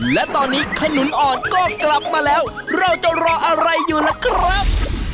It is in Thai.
และตอนนี้ขนุนอ่อนก็กลับมาแล้วเราจะรออะไรอยู่ล่ะครับ